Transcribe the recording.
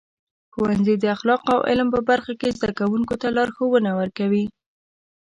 ښوونځي د اخلاقو او علم په برخه کې زده کوونکو ته لارښونه ورکوي.